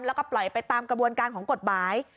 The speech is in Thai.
แล้วก็ปล่อยไปตามกระบวนการของกฎหมาย